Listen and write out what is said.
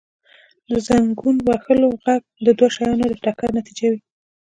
• د زنګون وهلو ږغ د دوو شیانو د ټکر نتیجه وي.